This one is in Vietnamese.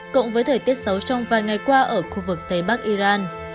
cộng với thời tiết xấu trong vài ngày qua ở khu vực tây bắc iran